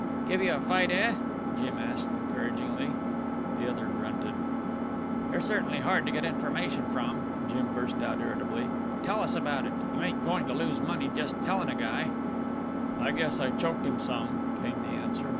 "Gave you a fight, eh!" Jim asked encouragingly. The other grunted. "You're certainly hard to get information from," Jim burst out irritably. "Tell us about it. You ain't goin' to lose money just a tellin' a guy." "I guess I choked him some," came the answer.